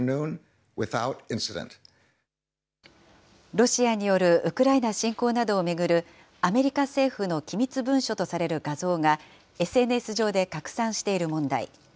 ロシアによるウクライナ侵攻などを巡るアメリカ政府の機密文書とされる画像が、ＳＮＳ上で拡散している問題。